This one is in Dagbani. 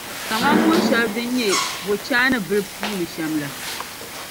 kaman mɔ’ shɛŋa din nyɛ bɔchaa ni bili puu ni shɛm la.